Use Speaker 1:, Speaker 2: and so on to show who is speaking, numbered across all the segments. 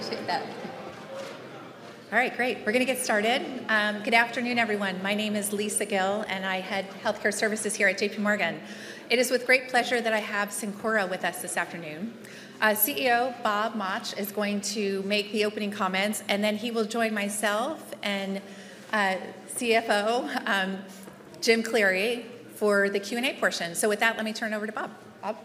Speaker 1: Thank you so much. I appreciate that. All right, great. We're going to get started. Good afternoon, everyone. My name is Lisa Gill, and I head healthcare services here at J.P. Morgan. It is with great pleasure that I have Cencora with us this afternoon. CEO Bob Mauch is going to make the opening comments, and then he will join myself and CFO Jim Cleary for the Q&A portion. So with that, let me turn it over to Bob.
Speaker 2: Bob.
Speaker 3: Hi,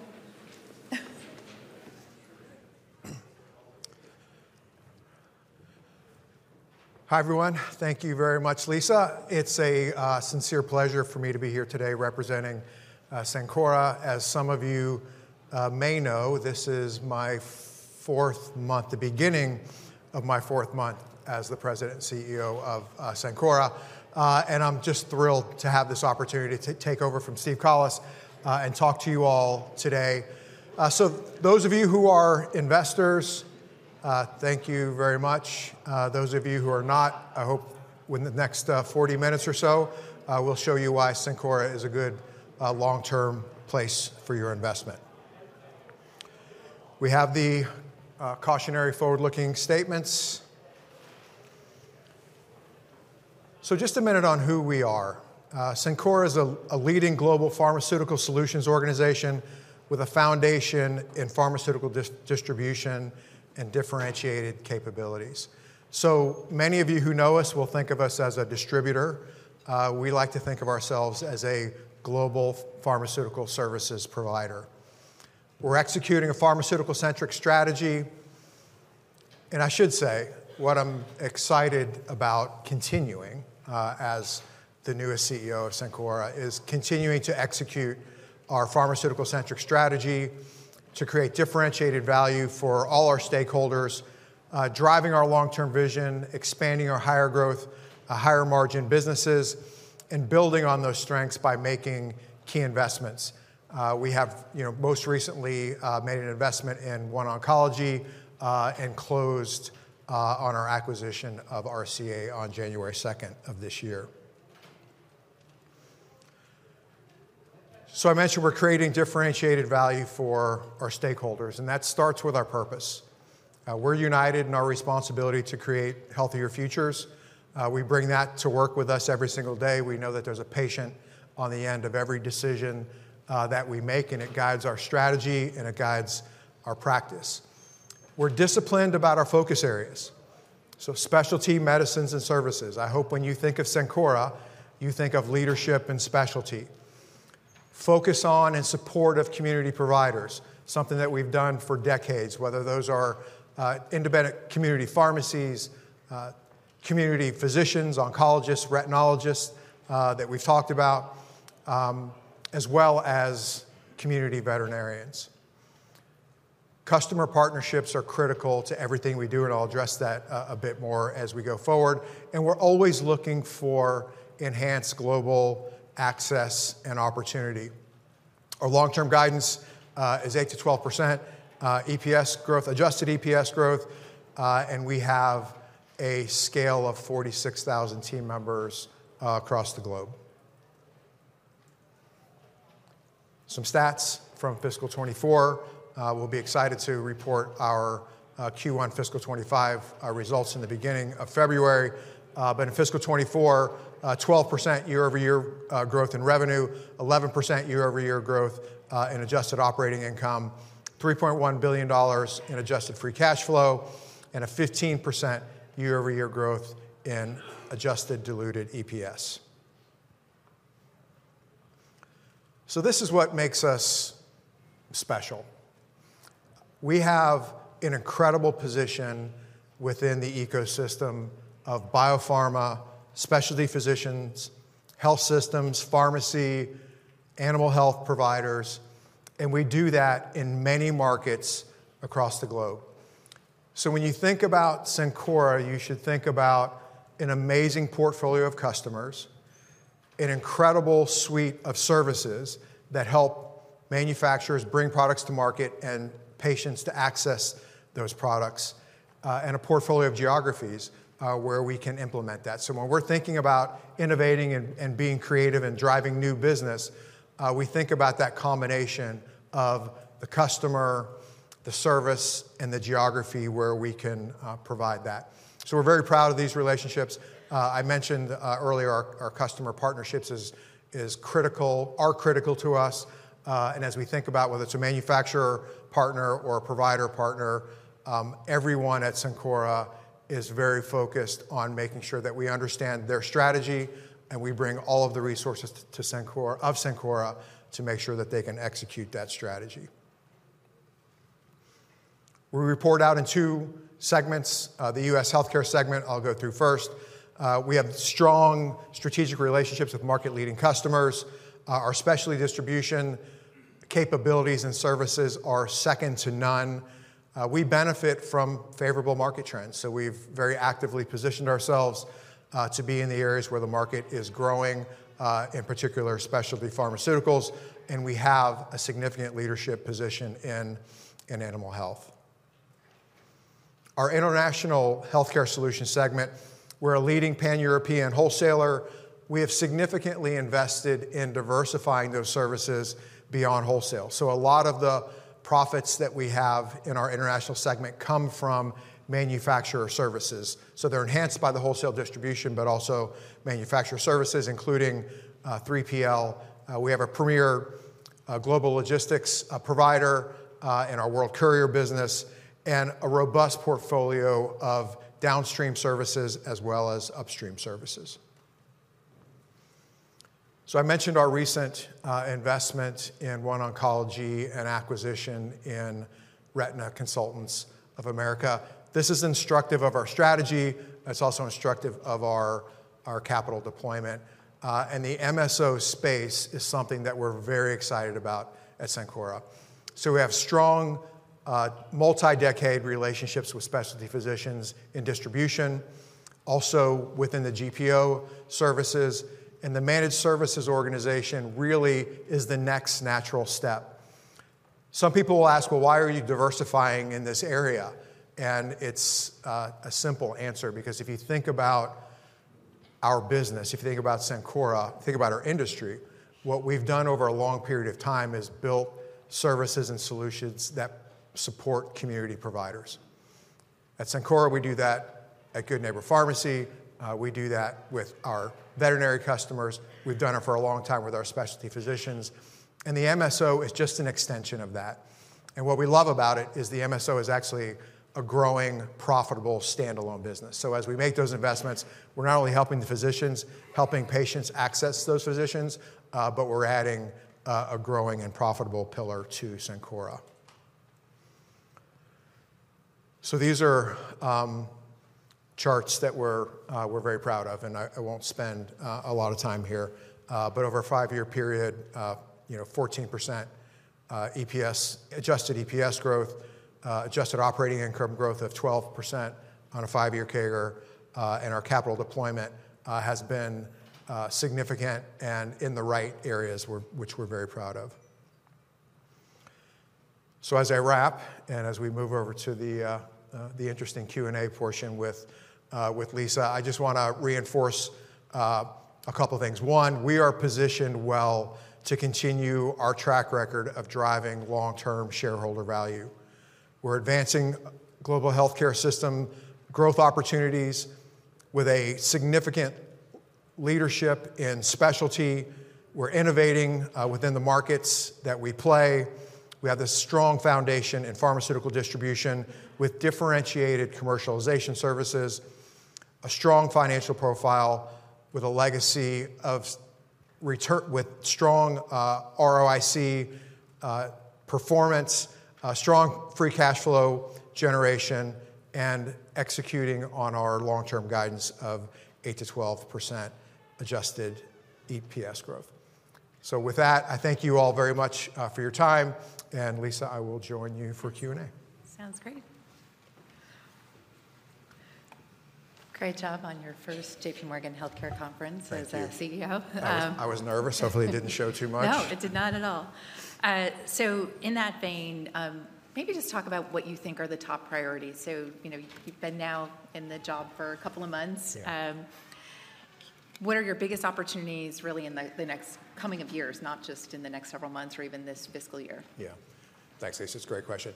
Speaker 3: everyone. Thank you very much, Lisa. It's a sincere pleasure for me to be here today representing Cencora. As some of you may know, this is my fourth month, the beginning of my fourth month as the President and CEO of Cencora, and I'm just thrilled to have this opportunity to take over from Steve Collis and talk to you all today, so those of you who are investors, thank you very much. Those of you who are not, I hope within the next 40 minutes or so, we'll show you why Cencora is a good long-term place for your investment. We have the cautionary forward-looking statements, so just a minute on who we are. Cencora is a leading global pharmaceutical solutions organization with a foundation in pharmaceutical distribution and differentiated capabilities, so many of you who know us will think of us as a distributor. We like to think of ourselves as a global pharmaceutical services provider. We're executing a pharmaceutical-centric strategy, and I should say, what I'm excited about continuing as the newest CEO of Cencora is continuing to execute our pharmaceutical-centric strategy to create differentiated value for all our stakeholders, driving our long-term vision, expanding our higher growth, higher margin businesses, and building on those strengths by making key investments. We have most recently made an investment in OneOncology and closed on our acquisition of RCA on January 2nd of this year, so I mentioned we're creating differentiated value for our stakeholders, and that starts with our purpose. We're united in our responsibility to create healthier futures. We bring that to work with us every single day. We know that there's a patient on the end of every decision that we make, and it guides our strategy, and it guides our practice. We're disciplined about our focus areas, so specialty, medicines, and services. I hope when you think of Cencora, you think of leadership and specialty. Focus on and support of community providers, something that we've done for decades, whether those are independent community pharmacies, community physicians, oncologists, retinologists that we've talked about, as well as community veterinarians. Customer partnerships are critical to everything we do, and I'll address that a bit more as we go forward and we're always looking for enhanced global access and opportunity. Our long-term guidance is 8%-12% EPS growth, adjusted EPS growth, and we have a scale of 46,000 team members across the globe. Some stats from fiscal 2024. We'll be excited to report our Q1 fiscal 2025 results in the beginning of February. But in fiscal 24, 12% year-over-year growth in revenue, 11% year-over-year growth in adjusted operating income, $3.1 billion in adjusted free cash flow, and a 15% year-over-year growth in adjusted diluted EPS. So this is what makes us special. We have an incredible position within the ecosystem of biopharma, specialty physicians, health systems, pharmacy, animal health providers, and we do that in many markets across the globe. So when you think about Cencora, you should think about an amazing portfolio of customers, an incredible suite of services that help manufacturers bring products to market and patients to access those products, and a portfolio of geographies where we can implement that. So when we're thinking about innovating and being creative and driving new business, we think about that combination of the customer, the service, and the geography where we can provide that. So we're very proud of these relationships. I mentioned earlier our customer partnerships are critical to us. And as we think about whether it's a manufacturer partner or a provider partner, everyone at Cencora is very focused on making sure that we understand their strategy and we bring all of the resources of Cencora to make sure that they can execute that strategy. We report out in two segments. The U.S. healthcare segment I'll go through first. We have strong strategic relationships with market-leading customers. Our specialty distribution capabilities and services are second to none. We benefit from favorable market trends. So we've very actively positioned ourselves to be in the areas where the market is growing, in particular specialty pharmaceuticals, and we have a significant leadership position in animal health. Our international healthcare solutions segment, we're a leading pan-European wholesaler. We have significantly invested in diversifying those services beyond wholesale. So a lot of the profits that we have in our international segment come from manufacturer services. So they're enhanced by the wholesale distribution, but also manufacturer services, including 3PL. We have a premier global logistics provider in our World Courier business and a robust portfolio of downstream services as well as upstream services. So I mentioned our recent investment in OneOncology and acquisition in retina Consultants of America. This is instructive of our strategy. It's also instructive of our capital deployment. And the MSO space is something that we're very excited about at Cencora. So we have strong multi-decade relationships with specialty physicians in distribution, also within the GPO services. And the managed services organization really is the next natural step. Some people will ask, well, why are you diversifying in this area? It's a simple answer, because if you think about our business, if you think about Cencora, think about our industry, what we've done over a long period of time is built services and solutions that support community providers. At Cencora, we do that at Good Neighbor Pharmacy. We do that with our veterinary customers. We've done it for a long time with our specialty physicians. And the MSO is just an extension of that. And what we love about it is the MSO is actually a growing, profitable standalone business. So as we make those investments, we're not only helping the physicians, helping patients access those physicians, but we're adding a growing and profitable pillar to Cencora. So these are charts that we're very proud of, and I won't spend a lot of time here. Over a five-year period, 14% adjusted EPS growth, adjusted operating income growth of 12% on a five-year CAGR, and our capital deployment has been significant and in the right areas, which we're very proud of. As I wrap and as we move over to the interesting Q&A portion with Lisa, I just want to reinforce a couple of things. One, we are positioned well to continue our track record of driving long-term shareholder value. We're advancing global healthcare system growth opportunities with a significant leadership in specialty. We're innovating within the markets that we play. We have this strong foundation in pharmaceutical distribution with differentiated commercialization services, a strong financial profile with a legacy of strong ROIC performance, strong free cash flow generation, and executing on our long-term guidance of 8%-12% adjusted EPS growth. So with that, I thank you all very much for your time. And Lisa, I will join you for Q&A.
Speaker 1: Sounds great. Great job on your first J.P. Morgan Healthcare Conference as a CEO.
Speaker 3: I was nervous. Hopefully, it didn't show too much.
Speaker 1: No, it did not at all. So in that vein, maybe just talk about what you think are the top priorities. So you've been now in the job for a couple of months. What are your biggest opportunities really in the next coming of years, not just in the next several months or even this fiscal year?
Speaker 3: Yeah. Thanks, Lisa. It's a great question.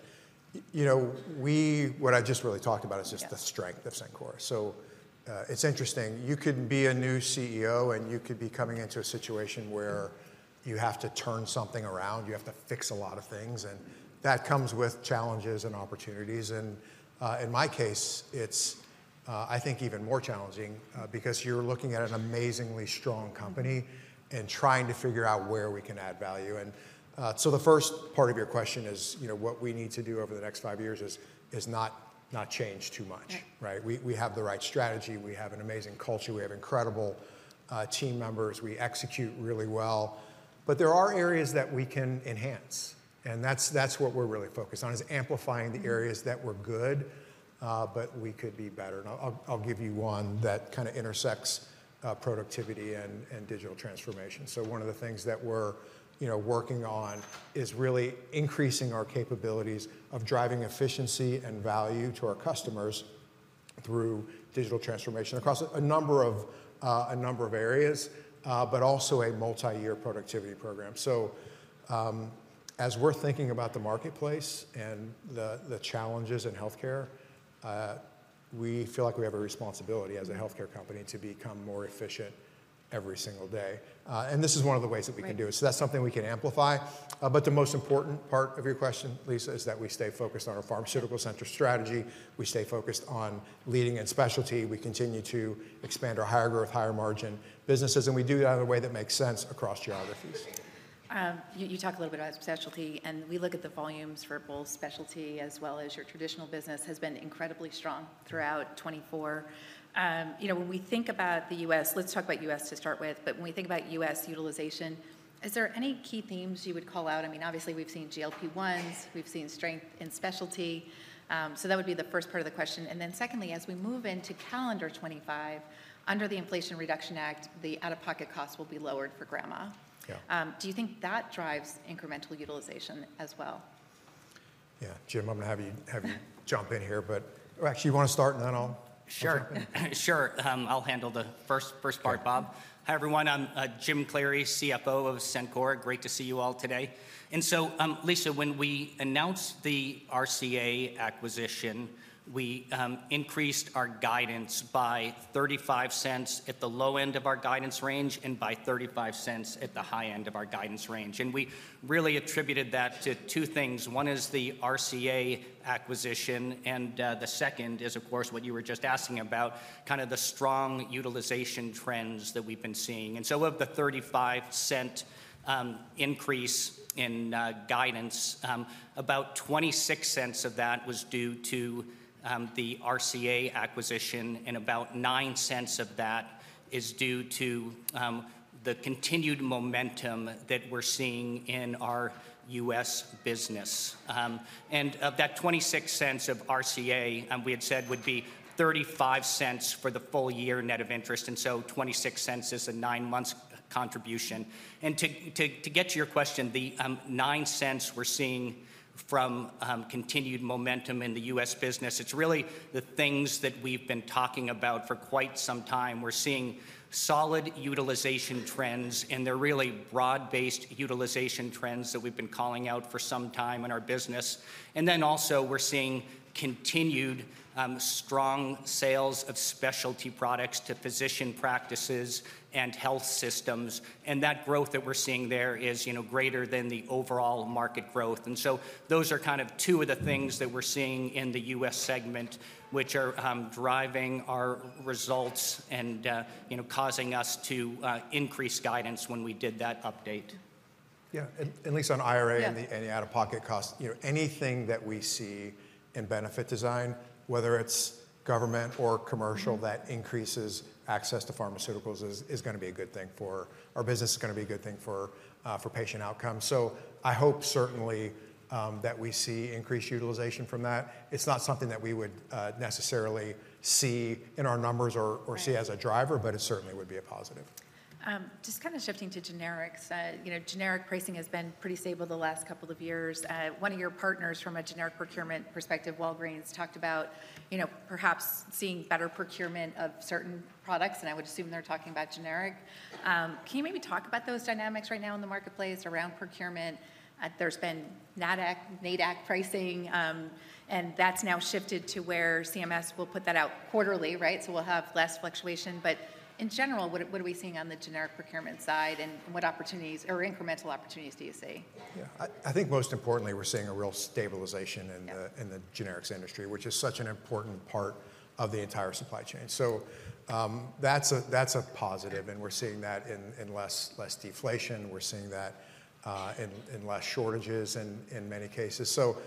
Speaker 3: What I just really talked about is just the strength of Cencora. So it's interesting. You could be a new CEO, and you could be coming into a situation where you have to turn something around. You have to fix a lot of things. And that comes with challenges and opportunities. And in my case, it's, I think, even more challenging because you're looking at an amazingly strong company and trying to figure out where we can add value. And so the first part of your question is what we need to do over the next five years is not change too much. We have the right strategy. We have an amazing culture. We have incredible team members. We execute really well. But there are areas that we can enhance. And that's what we're really focused on, is amplifying the areas that we're good, but we could be better. And I'll give you one that kind of intersects productivity and digital transformation. So one of the things that we're working on is really increasing our capabilities of driving efficiency and value to our customers through digital transformation across a number of areas, but also a multi-year productivity program. So as we're thinking about the marketplace and the challenges in healthcare, we feel like we have a responsibility as a healthcare company to become more efficient every single day. And this is one of the ways that we can do it. So that's something we can amplify. But the most important part of your question, Lisa, is that we stay focused on our pharmaceutical-centric strategy. We stay focused on leading in specialty. We continue to expand our higher growth, higher margin businesses. And we do it in a way that makes sense across geographies.
Speaker 1: You talk a little bit about specialty, and we look at the volumes for both specialty as well as your traditional business has been incredibly strong throughout 2024. When we think about the U.S., let's talk about U.S. to start with. But when we think about U.S. utilization, is there any key themes you would call out? I mean, obviously, we've seen GLP-1s. We've seen strength in specialty. So that would be the first part of the question. And then secondly, as we move into calendar 2025, under the Inflation Reduction Act, the out-of-pocket costs will be lowered for grandma. Do you think that drives incremental utilization as well?
Speaker 3: Yeah, Jim, I'm going to have you jump in here. But actually, you want to start and then I'll jump in?
Speaker 4: Sure. I'll handle the first part, Bob. Hi, everyone. I'm Jim Cleary, CFO of Cencora. Great to see you all today. And so, Lisa, when we announced the RCA acquisition, we increased our guidance by $0.35 at the low end of our guidance range and by $0.35 at the high end of our guidance range. And we really attributed that to two things. One is the RCA acquisition, and the second is, of course, what you were just asking about, kind of the strong utilization trends that we've been seeing. And so of the $0.35 increase in guidance, about $0.26 of that was due to the RCA acquisition, and about $0.09 of that is due to the continued momentum that we're seeing in our U.S. business. And of that $0.26 of RCA, we had said would be $0.35 for the full year net of interest. And so $0.26 is a nine-month contribution. And to get to your question, the $0.09 we're seeing from continued momentum in the U.S. business, it's really the things that we've been talking about for quite some time. We're seeing solid utilization trends, and they're really broad-based utilization trends that we've been calling out for some time in our business. And then also, we're seeing continued strong sales of specialty products to physician practices and health systems. And that growth that we're seeing there is greater than the overall market growth. And so those are kind of two of the things that we're seeing in the U.S. segment, which are driving our results and causing us to increase guidance when we did that update.
Speaker 3: Yeah. And Lisa, on IRA and the out-of-pocket costs, anything that we see in benefit design, whether it's government or commercial, that increases access to pharmaceuticals is going to be a good thing for our business. It's going to be a good thing for patient outcomes. So I hope certainly that we see increased utilization from that. It's not something that we would necessarily see in our numbers or see as a driver, but it certainly would be a positive.
Speaker 1: Just kind of shifting to generics. Generic pricing has been pretty stable the last couple of years. One of your partners from a generic procurement perspective, Walgreens, talked about perhaps seeing better procurement of certain products, and I would assume they're talking about generic. Can you maybe talk about those dynamics right now in the marketplace around procurement? There's been NADAC pricing, and that's now shifted to where CMS will put that out quarterly, right? So we'll have less fluctuation. But in general, what are we seeing on the generic procurement side and what opportunities or incremental opportunities do you see?
Speaker 3: Yeah. I think most importantly, we're seeing a real stabilization in the generics industry, which is such an important part of the entire supply chain. So that's a positive, and we're seeing that in less deflation. We're seeing that in less shortages in many cases. So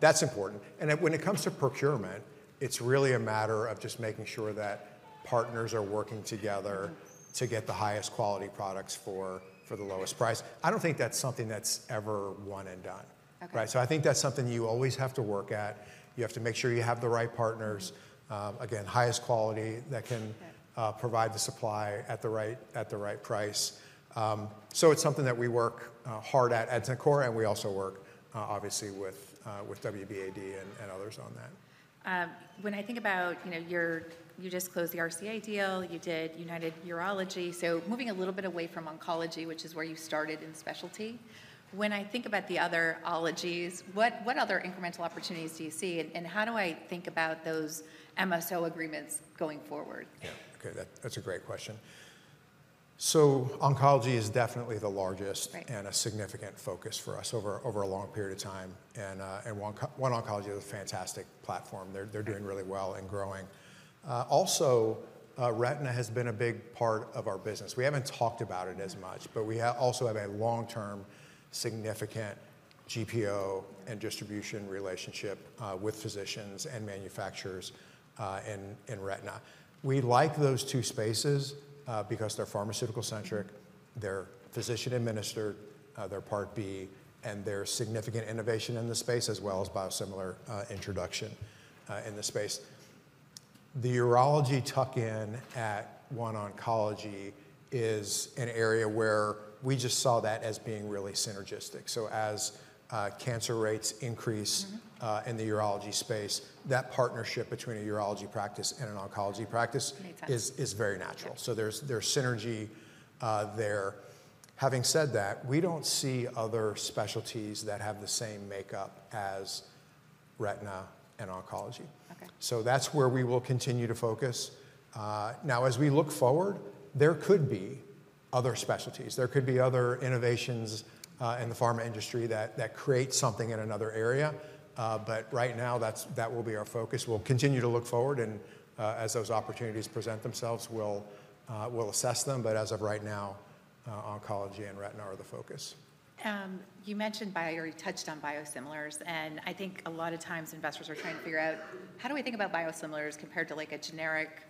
Speaker 3: that's important. And when it comes to procurement, it's really a matter of just making sure that partners are working together to get the highest quality products for the lowest price. I don't think that's something that's ever one and done. So I think that's something you always have to work at. You have to make sure you have the right partners. Again, highest quality that can provide the supply at the right price. So it's something that we work hard at Cencora, and we also work, obviously, with WBAD and others on that.
Speaker 1: When I think about, you just closed the RCA deal. You did United Urology, so moving a little bit away from oncology, which is where you started in specialty, when I think about the other ologies, what other incremental opportunities do you see? And how do I think about those MSO agreements going forward?
Speaker 3: Yeah. Okay. That's a great question. So oncology is definitely the largest and a significant focus for us over a long period of time. And OneOncology is a fantastic platform. They're doing really well and growing. Also, retina has been a big part of our business. We haven't talked about it as much, but we also have a long-term significant GPO and distribution relationship with physicians and manufacturers in retina. We like those two spaces because they're pharmaceutical-centric, they're physician-administered, they're Part B, and there's significant innovation in the space as well as biosimilar introduction in the space. The urology tuck-in at OneOncology is an area where we just saw that as being really synergistic. So as cancer rates increase in the urology space, that partnership between a urology practice and an oncology practice is very natural. So there's synergy there. Having said that, we don't see other specialties that have the same makeup as Retina and oncology. So that's where we will continue to focus. Now, as we look forward, there could be other specialties. There could be other innovations in the pharma industry that create something in another area. But right now, that will be our focus. We'll continue to look forward, and as those opportunities present themselves, we'll assess them. But as of right now, oncology and Retina are the focus.
Speaker 1: You mentioned I already touched on biosimilars. And I think a lot of times investors are trying to figure out, how do we think about biosimilars compared to a generic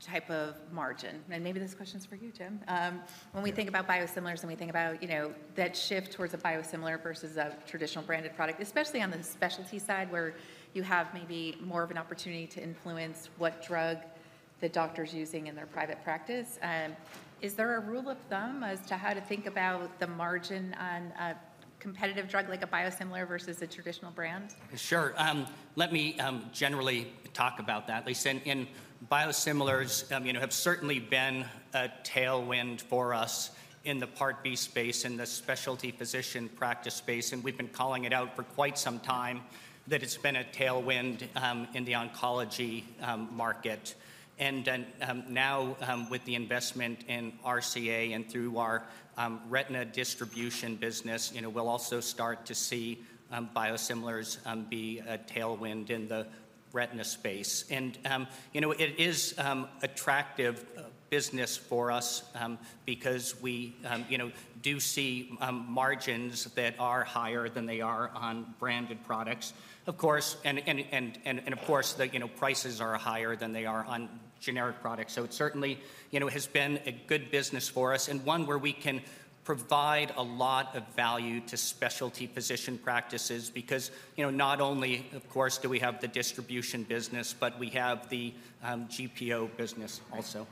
Speaker 1: type of margin? And maybe this question's for you, Jim. When we think about biosimilars and we think about that shift towards a biosimilar versus a traditional branded product, especially on the specialty side where you have maybe more of an opportunity to influence what drug the doctor's using in their private practice, is there a rule of thumb as to how to think about the margin on a competitive drug like a biosimilar versus a traditional brand?
Speaker 4: Sure. Let me generally talk about that. Lisa, in biosimilars, have certainly been a tailwind for us in the Part B space, in the specialty physician practice space, and we've been calling it out for quite some time that it's been a tailwind in the oncology market, and now, with the investment in RCA and through our Retina distribution business, we'll also start to see biosimilars be a tailwind in the Retina space, and it is an attractive business for us because we do see margins that are higher than they are on branded products, of course, and of course, the prices are higher than they are on generic products. So it certainly has been a good business for us and one where we can provide a lot of value to specialty physician practices because not only, of course, do we have the distribution business, but we have the GPO business also.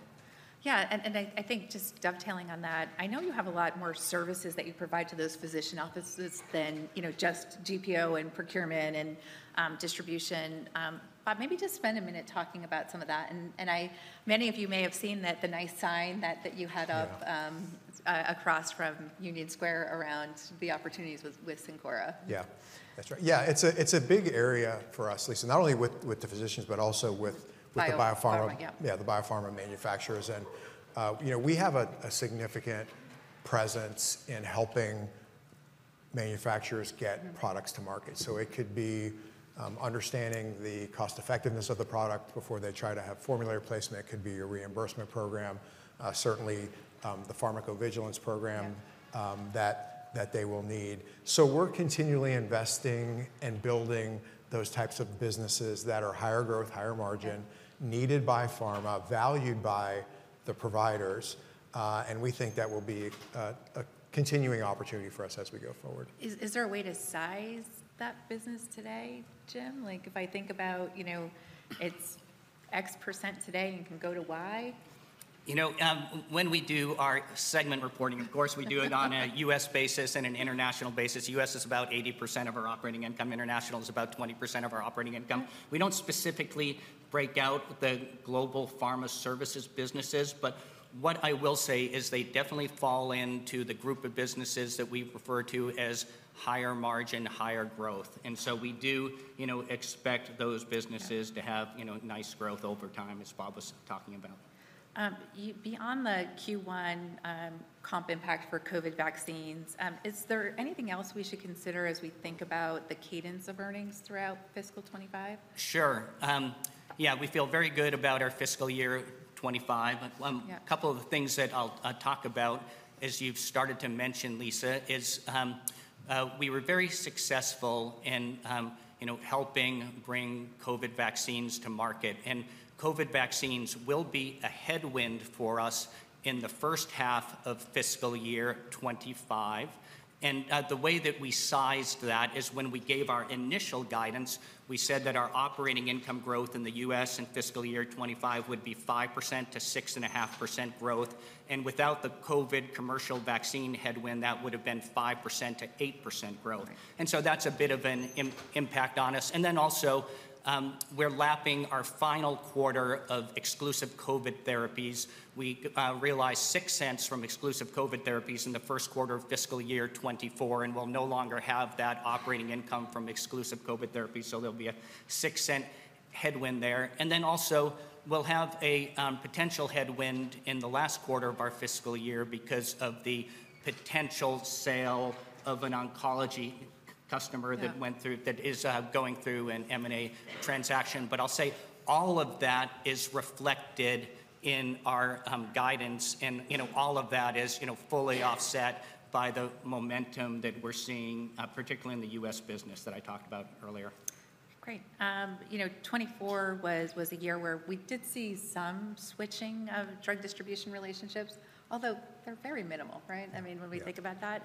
Speaker 1: Yeah, and I think just dovetailing on that, I know you have a lot more services that you provide to those physician offices than just GPO and procurement and distribution, but maybe just spend a minute talking about some of that, and many of you may have seen that the nice sign that you had up across from Union Square around the opportunities with Cencora.
Speaker 3: Yeah. That's right. Yeah. It's a big area for us, Lisa, not only with the physicians, but also with the biopharma manufacturers, and we have a significant presence in helping manufacturers get products to market, so it could be understanding the cost-effectiveness of the product before they try to have formulary placement. It could be your reimbursement program, certainly the pharmacovigilance program that they will need, so we're continually investing and building those types of businesses that are higher growth, higher margin, needed by pharma, valued by the providers, and we think that will be a continuing opportunity for us as we go forward.
Speaker 1: Is there a way to size that business today, Jim? If I think about it's X% today and can go to Y?
Speaker 4: When we do our segment reporting, of course, we do it on a U.S. basis and an international basis. U.S. is about 80% of our operating income. International is about 20% of our operating income. We don't specifically break out the global pharma services businesses, but what I will say is they definitely fall into the group of businesses that we refer to as higher margin, higher growth, and so we do expect those businesses to have nice growth over time, as Bob was talking about.
Speaker 1: Beyond the Q1 comp impact for COVID vaccines, is there anything else we should consider as we think about the cadence of earnings throughout fiscal 2025?
Speaker 4: Sure. Yeah. We feel very good about our fiscal year 2025. A couple of the things that I'll talk about, as you've started to mention, Lisa, is we were very successful in helping bring COVID vaccines to market. COVID vaccines will be a headwind for us in the first half of fiscal year 2025. The way that we sized that is when we gave our initial guidance, we said that our operating income growth in the U.S. in fiscal year 2025 would be 5%-6.5% growth. Without the COVID commercial vaccine headwind, that would have been 5%-8% growth. That's a bit of an impact on us. We're lapping our final quarter of exclusive COVID therapies. We realized $0.06 from exclusive COVID therapies in the first quarter of fiscal year 2024, and we'll no longer have that operating income from exclusive COVID therapies. So there'll be a $0.06 headwind there. And then also, we'll have a potential headwind in the last quarter of our fiscal year because of the potential sale of an oncology customer that is going through an M&A transaction. But I'll say all of that is reflected in our guidance, and all of that is fully offset by the momentum that we're seeing, particularly in the U.S. business that I talked about earlier.
Speaker 1: Great. 2024 was a year where we did see some switching of drug distribution relationships, although they're very minimal, right? I mean, when we think about that.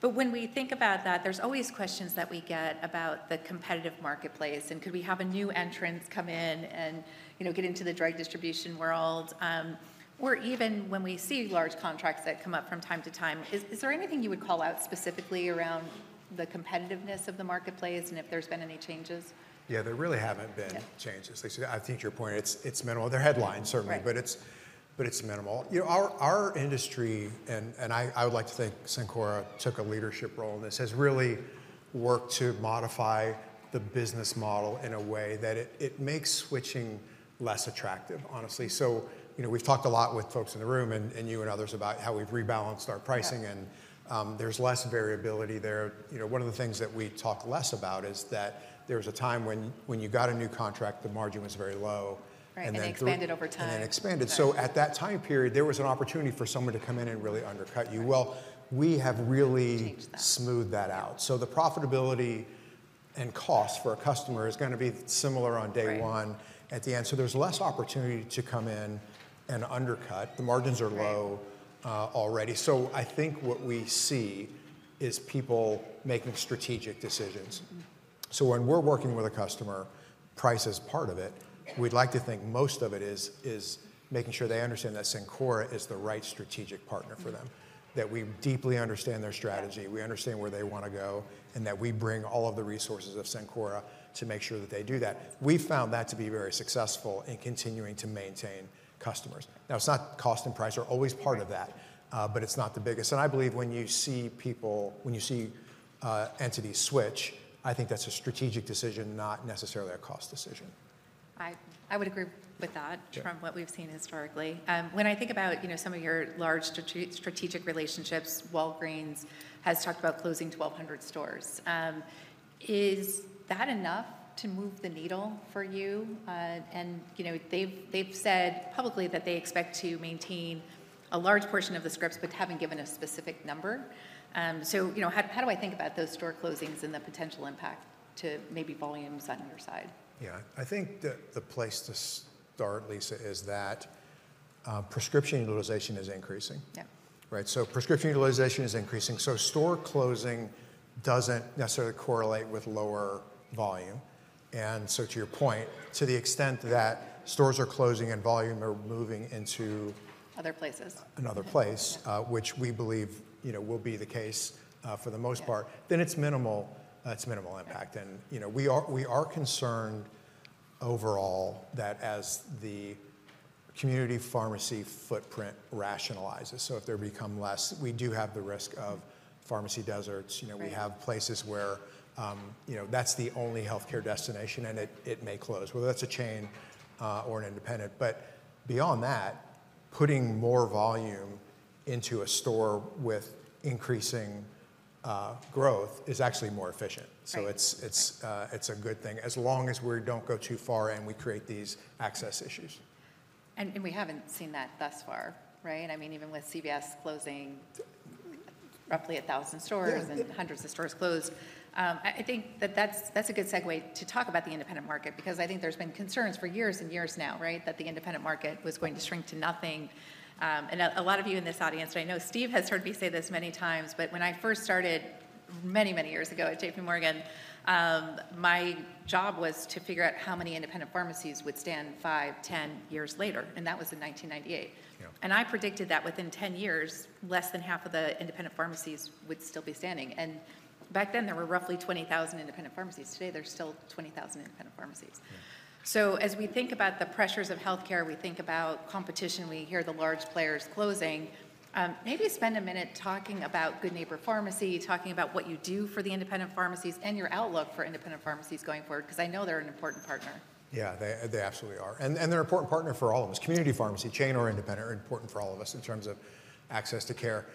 Speaker 1: But when we think about that, there's always questions that we get about the competitive marketplace. And could we have a new entrant come in and get into the drug distribution world? Or even when we see large contracts that come up from time to time, is there anything you would call out specifically around the competitiveness of the marketplace and if there's been any changes?
Speaker 3: Yeah, there really haven't been changes. Lisa, I think your point. It's minimal. They're headlines, certainly, but it's minimal. Our industry, and I would like to think Cencora took a leadership role in this, has really worked to modify the business model in a way that it makes switching less attractive, honestly. So we've talked a lot with folks in the room and you and others about how we've rebalanced our pricing, and there's less variability there. One of the things that we talk less about is that there was a time when you got a new contract, the margin was very low.
Speaker 1: It expanded over time.
Speaker 3: And then it expanded. So at that time period, there was an opportunity for someone to come in and really undercut you. Well, we have really smoothed that out. So the profitability and cost for a customer is going to be similar on day one at the end. So there's less opportunity to come in and undercut. The margins are low already. So I think what we see is people making strategic decisions. So when we're working with a customer, price is part of it. We'd like to think most of it is making sure they understand that Cencora is the right strategic partner for them, that we deeply understand their strategy, we understand where they want to go, and that we bring all of the resources of Cencora to make sure that they do that. We found that to be very successful in continuing to maintain customers. Now, it's not cost and price are always part of that, but it's not the biggest, and I believe when you see people, when you see entities switch, I think that's a strategic decision, not necessarily a cost decision.
Speaker 1: I would agree with that from what we've seen historically. When I think about some of your large strategic relationships, Walgreens has talked about closing 1,200 stores. Is that enough to move the needle for you? And they've said publicly that they expect to maintain a large portion of the scripts but haven't given a specific number. So how do I think about those store closings and the potential impact to maybe volumes on your side?
Speaker 3: Yeah. I think the place to start, Lisa, is that prescription utilization is increasing. So prescription utilization is increasing. So store closing doesn't necessarily correlate with lower volume. And so to your point, to the extent that stores are closing and volume are moving into.
Speaker 1: Other places.
Speaker 3: Another place, which we believe will be the case for the most part, then it's minimal impact, and we are concerned overall that as the community pharmacy footprint rationalizes, so if there become less, we do have the risk of pharmacy deserts. We have places where that's the only healthcare destination, and it may close, whether that's a chain or an independent, but beyond that, putting more volume into a store with increasing growth is actually more efficient, so it's a good thing as long as we don't go too far and we create these access issues.
Speaker 1: We haven't seen that thus far, right? I mean, even with CVS closing roughly 1,000 stores and hundreds of stores closed. I think that that's a good segue to talk about the independent market because I think there's been concerns for years and years now, right, that the independent market was going to shrink to nothing. A lot of you in this audience, I know Steve has heard me say this many times, but when I first started many, many years ago at J.P. Morgan, my job was to figure out how many independent pharmacies would stand five, 10 years later. That was in 1998. I predicted that within 10 years, less than half of the independent pharmacies would still be standing. Back then, there were roughly 20,000 independent pharmacies. Today, there's still 20,000 independent pharmacies. So as we think about the pressures of healthcare, we think about competition, we hear the large players closing. Maybe spend a minute talking about Good Neighbor Pharmacy, talking about what you do for the independent pharmacies and your outlook for independent pharmacies going forward because I know they're an important partner.
Speaker 3: Yeah, they absolutely are. And they're an important partner for all of us. Community pharmacy, chain or independent, are important for all of us in terms of access to care.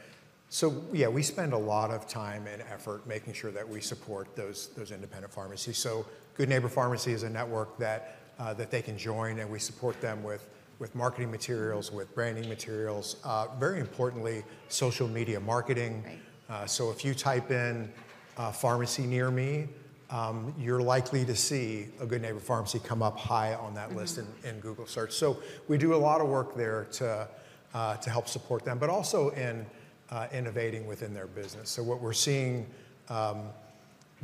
Speaker 3: So yeah, we spend a lot of time and effort making sure that we support those independent pharmacies. So Good Neighbor Pharmacy is a network that they can join, and we support them with marketing materials, with branding materials. Very importantly, social media marketing. So if you type in pharmacy near me, you're likely to see a Good Neighbor Pharmacy come up high on that list in Google search. So we do a lot of work there to help support them, but also in innovating within their business. So what we're seeing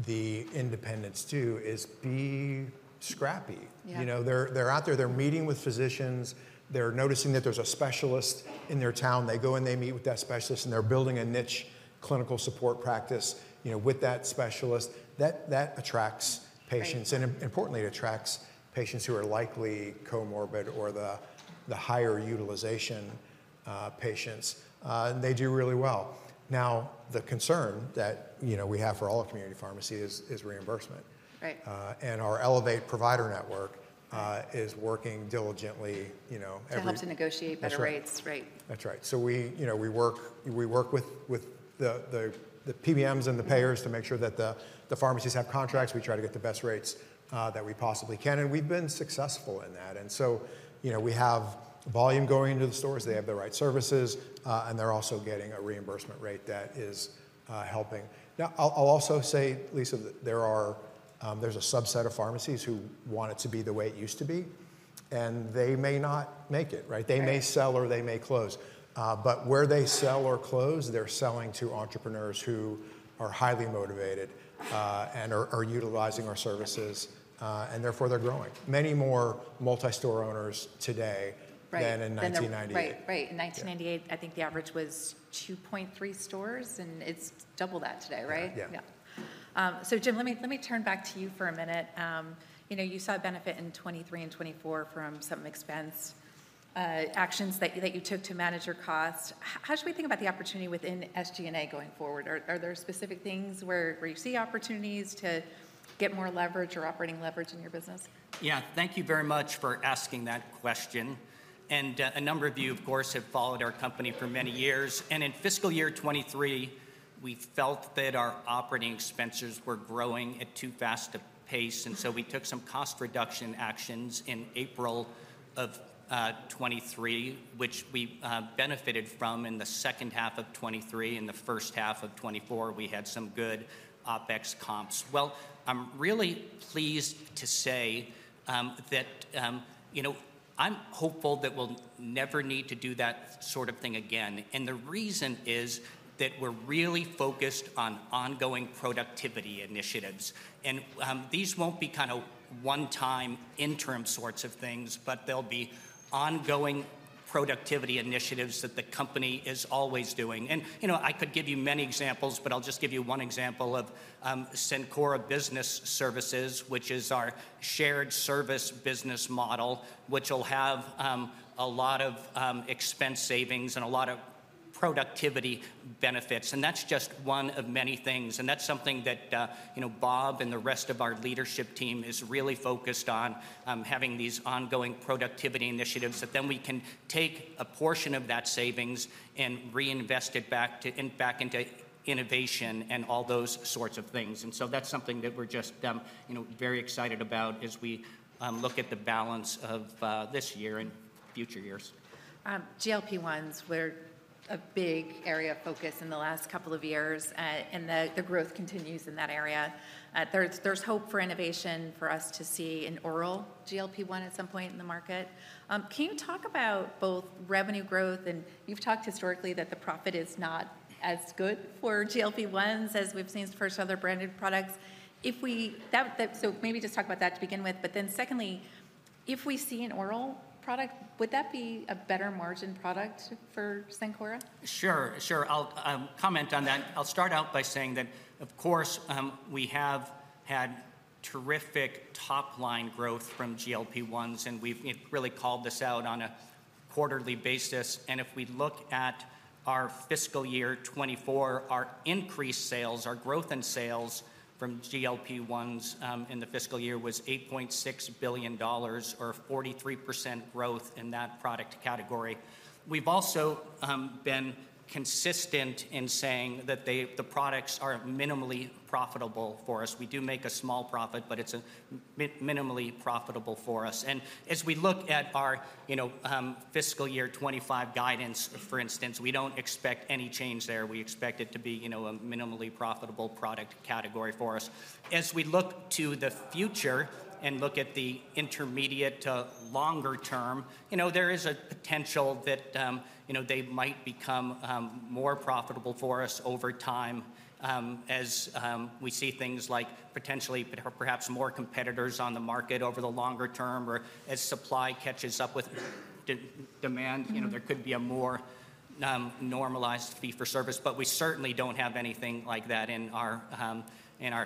Speaker 3: the independents do is be scrappy. They're out there, they're meeting with physicians, they're noticing that there's a specialist in their town, they go and they meet with that specialist, and they're building a niche clinical support practice with that specialist. That attracts patients. And importantly, it attracts patients who are likely comorbid or the higher utilization patients. And they do really well. Now, the concern that we have for all community pharmacies is reimbursement. And our Elevate Provider Network is working diligently.
Speaker 1: To help negotiate better rates, right?
Speaker 3: That's right. So we work with the PBMs and the payers to make sure that the pharmacies have contracts. We try to get the best rates that we possibly can. And we've been successful in that. And so we have volume going into the stores, they have the right services, and they're also getting a reimbursement rate that is helping. Now, I'll also say, Lisa, that there's a subset of pharmacies who want it to be the way it used to be, and they may not make it, right? They may sell or they may close. But where they sell or close, they're selling to entrepreneurs who are highly motivated and are utilizing our services, and therefore they're growing. Many more multi-store owners today than in 1998.
Speaker 1: Right. In 1998, I think the average was 2.3 stores, and it's double that today, right?
Speaker 3: Yeah.
Speaker 1: So Jim, let me turn back to you for a minute. You saw a benefit in 2023 and 2024 from some expense actions that you took to manage your costs. How should we think about the opportunity within SG&A going forward? Are there specific things where you see opportunities to get more leverage or operating leverage in your business?
Speaker 4: Yeah. Thank you very much for asking that question. And a number of you, of course, have followed our company for many years. And in fiscal year 2023, we felt that our operating expenses were growing at too fast a pace. And so we took some cost reduction actions in April of 2023, which we benefited from in the second half of 2023. In the first half of 2024, we had some good OpEx comps. Well, I'm really pleased to say that I'm hopeful that we'll never need to do that sort of thing again. And the reason is that we're really focused on ongoing productivity initiatives. And these won't be kind of one-time interim sorts of things, but they'll be ongoing productivity initiatives that the company is always doing. And I could give you many examples, but I'll just give you one example of Cencora Business Services, which is our shared service business model, which will have a lot of expense savings and a lot of productivity benefits. And that's just one of many things. And that's something that Bob and the rest of our leadership team is really focused on, having these ongoing productivity initiatives that then we can take a portion of that savings and reinvest it back into innovation and all those sorts of things. And so that's something that we're just very excited about as we look at the balance of this year and future years.
Speaker 1: GLP-1s were a big area of focus in the last couple of years, and the growth continues in that area. There's hope for innovation for us to see an oral GLP-1 at some point in the market. Can you talk about both revenue growth, and you've talked historically that the profit is not as good for GLP-1s as we've seen for some of the branded products, so maybe just talk about that to begin with, but then secondly, if we see an oral product, would that be a better margin product for Cencora?
Speaker 4: Sure. Sure. I'll comment on that. I'll start out by saying that, of course, we have had terrific top-line growth from GLP-1s, and we've really called this out on a quarterly basis. And if we look at our fiscal year 2024, our increased sales, our growth in sales from GLP-1s in the fiscal year was $8.6 billion or 43% growth in that product category. We've also been consistent in saying that the products are minimally profitable for us. We do make a small profit, but it's minimally profitable for us. And as we look at our fiscal year 2025 guidance, for instance, we don't expect any change there. We expect it to be a minimally profitable product category for us. As we look to the future and look at the intermediate to longer term, there is a potential that they might become more profitable for us over time as we see things like potentially perhaps more competitors on the market over the longer term or as supply catches up with demand. There could be a more normalized fee for service. But we certainly don't have anything like that in our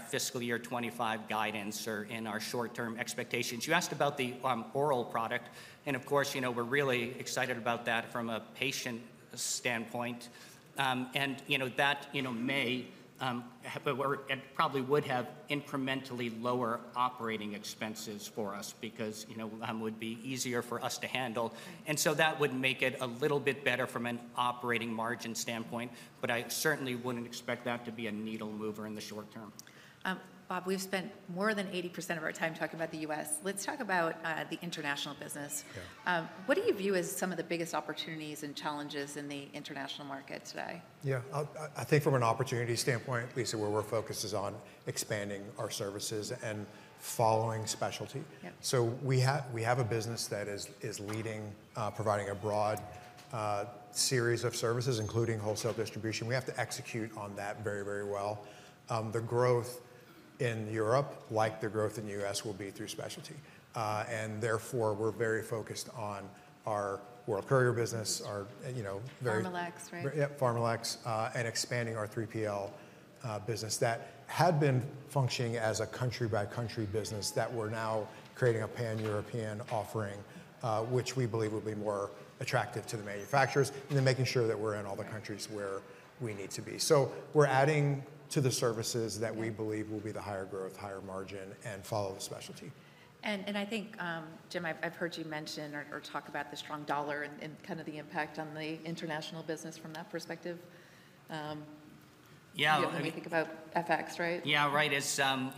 Speaker 4: fiscal year 2025 guidance or in our short-term expectations. You asked about the oral product. And of course, we're really excited about that from a patient standpoint. And that may and probably would have incrementally lower operating expenses for us because it would be easier for us to handle. And so that would make it a little bit better from an operating margin standpoint. But I certainly wouldn't expect that to be a needle mover in the short term.
Speaker 1: Bob, we've spent more than 80% of our time talking about the U.S. Let's talk about the international business. What do you view as some of the biggest opportunities and challenges in the international market today?
Speaker 3: Yeah. I think from an opportunity standpoint, Lisa, where we're focused is on expanding our services and following specialty. So we have a business that is leading, providing a broad series of services, including wholesale distribution. We have to execute on that very, very well. The growth in Europe, like the growth in the U.S., will be through specialty. And therefore, we're very focused on our World Courier business, our very.
Speaker 1: Pharmalex, right?
Speaker 3: Yep, Pharmalex, and expanding our 3PL business that had been functioning as a country-by-country business that we're now creating a pan-European offering, which we believe will be more attractive to the manufacturers, and then making sure that we're in all the countries where we need to be. So we're adding to the services that we believe will be the higher growth, higher margin, and follow the specialty.
Speaker 1: And I think, Jim, I've heard you mention or talk about the strong dollar and kind of the impact on the international business from that perspective.
Speaker 4: Yeah.
Speaker 1: When we think about FX, right?
Speaker 4: Yeah, right. As I'm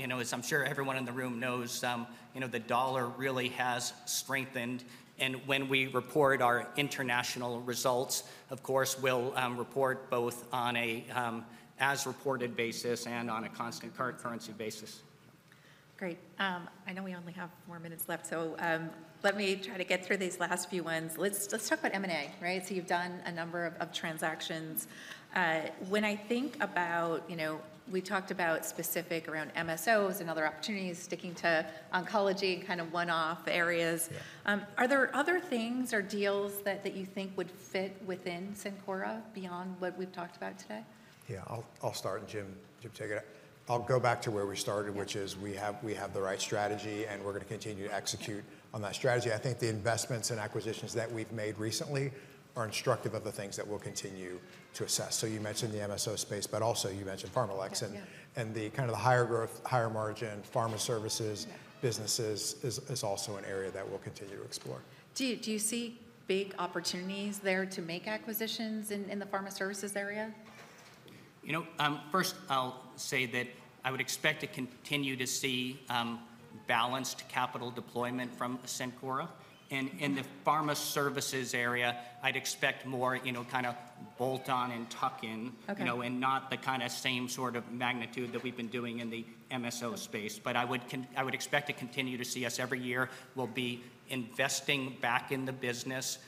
Speaker 4: sure everyone in the room knows, the dollar really has strengthened. And when we report our international results, of course, we'll report both on an as-reported basis and on a constant current currency basis.
Speaker 1: Great. I know we only have more minutes left, so let me try to get through these last few ones. Let's talk about M&A, right? So you've done a number of transactions. When I think about, we talked about specifics around MSOs and other opportunities, sticking to oncology and kind of one-off areas. Are there other things or deals that you think would fit within Cencora beyond what we've talked about today?
Speaker 3: Yeah, I'll start, and Jim will take it. I'll go back to where we started, which is we have the right strategy, and we're going to continue to execute on that strategy. I think the investments and acquisitions that we've made recently are instructive of the things that we'll continue to assess. So you mentioned the MSO space, but also you mentioned Pharmalex and the kind of the higher growth, higher margin pharma services businesses is also an area that we'll continue to explore.
Speaker 1: Do you see big opportunities there to make acquisitions in the pharma services area?
Speaker 4: First, I'll say that I would expect to continue to see balanced capital deployment from Cencora. And in the pharma services area, I'd expect more kind of bolt-on and tuck-in and not the kind of same sort of magnitude that we've been doing in the MSO space. But I would expect to continue to see us every year. We'll be investing back in the business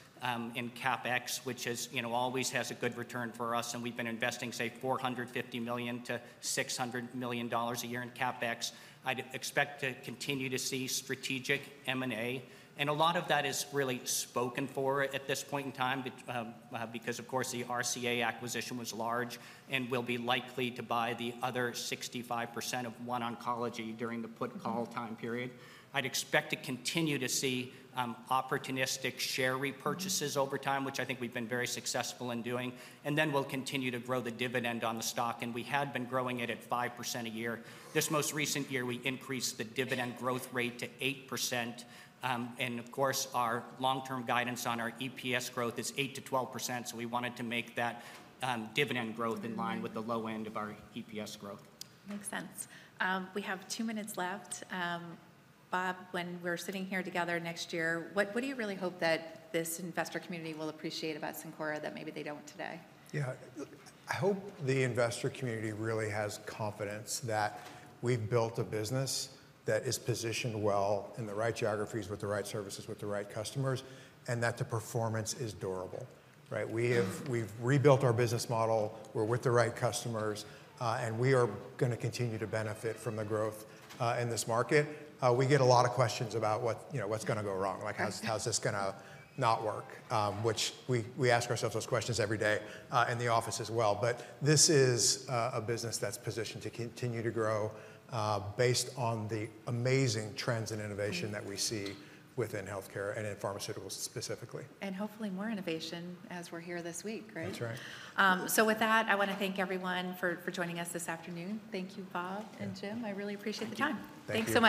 Speaker 4: in CapEx, which always has a good return for us. And we've been investing, say, $450 million-$600 million a year in CapEx. I'd expect to continue to see strategic M&A. And a lot of that is really spoken for at this point in time because, of course, the RCA acquisition was large and will be likely to buy the other 65% of OneOncology during the put-call time period. I'd expect to continue to see opportunistic share repurchases over time, which I think we've been very successful in doing. And then we'll continue to grow the dividend on the stock. And we had been growing it at 5% a year. This most recent year, we increased the dividend growth rate to 8%. And of course, our long-term guidance on our EPS growth is 8%-12%. So we wanted to make that dividend growth in line with the low end of our EPS growth.
Speaker 1: Makes sense. We have two minutes left. Bob, when we're sitting here together next year, what do you really hope that this investor community will appreciate about Cencora that maybe they don't today?
Speaker 3: Yeah. I hope the investor community really has confidence that we've built a business that is positioned well in the right geographies with the right services with the right customers and that the performance is durable, right? We've rebuilt our business model. We're with the right customers, and we are going to continue to benefit from the growth in this market. We get a lot of questions about what's going to go wrong, like how's this going to not work, which we ask ourselves those questions every day in the office as well. But this is a business that's positioned to continue to grow based on the amazing trends and innovation that we see within healthcare and in pharmaceuticals specifically.
Speaker 1: And hopefully more innovation as we're here this week, right?
Speaker 3: That's right.
Speaker 1: So with that, I want to thank everyone for joining us this afternoon. Thank you, Bob and Jim. I really appreciate the time. Thanks so much.